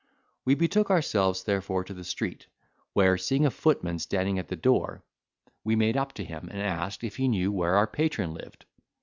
We betook ourselves therefore to the street, where seeing a footman standing at the door, we made up to him, and asked if he knew where our patron lived?